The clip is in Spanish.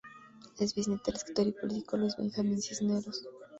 Es bisnieta del escritor y político Luis Benjamín Cisneros.